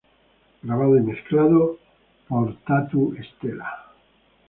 Grabado y Mezclado por Tatu Estela.